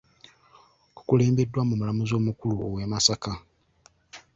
Kukulembeddwamu omulamuzi omukulu ow’e Masaka.